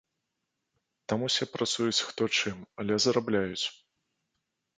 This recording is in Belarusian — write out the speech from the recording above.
Там усе працуюць, хто чым, але зарабляюць.